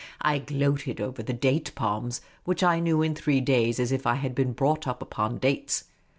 I gloated over the date palms, which I knew in three days as if I had been brought up upon dates.